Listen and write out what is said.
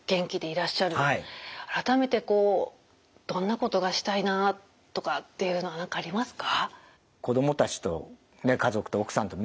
改めてこうどんなことがしたいなとかっていうのは何かありますか？